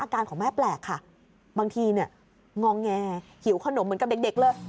ของแม่แปลกค่ะบางทีเนี่ยงอแงหิวขนมเหมือนกับเด็กเลย